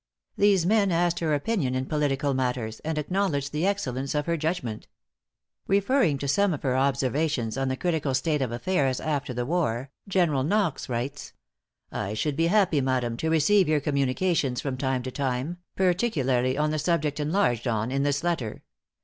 These men asked her opinion in political matters, and acknowledged the excellence of her judgment. Referring to some of her observations on the critical state of affairs after the war, General Knox writes: "I should be happy, Madam, to receive your communications from time to time, particularly on the subject enlarged on in this letter.